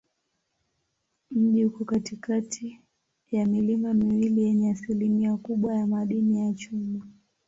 Mji uko katikati ya milima miwili yenye asilimia kubwa ya madini ya chuma.